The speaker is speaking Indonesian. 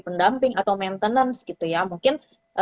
pendamping atau maintenance gitu ya mungkin